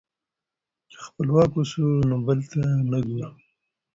که خپلواک اوسو نو بل ته نه ګورو.